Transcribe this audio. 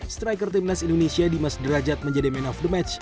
striker timnas indonesia dimas derajat menjadi man of the match